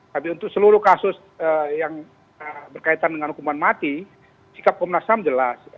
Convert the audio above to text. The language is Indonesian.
tapi untuk seluruh kasus yang berkaitan dengan hukuman mati sikap komnas ham jelas